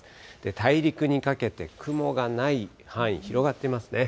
大陸にかけて雲がない範囲、広がっていますね。